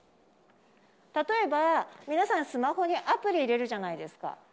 例えば皆さん、スマホにアプリ入れるじゃないですか。